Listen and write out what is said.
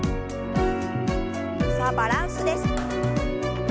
さあバランスです。